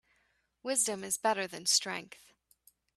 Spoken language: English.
Wisdom is better than strength.